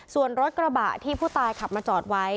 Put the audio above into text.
ส่วนรถกระบะที่ผู้ตายขับมาจอดไว้